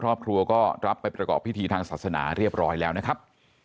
ครอบครัวก็รับไปประกอบพิธีทางศาสนาเรียบร้อยแล้วนะครับ